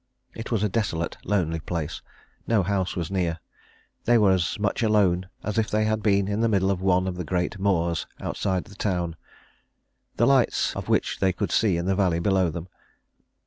It was a desolate, lonely place; no house was near; they were as much alone as if they had been in the middle of one of the great moors outside the town, the lights of which they could see in the valley below them.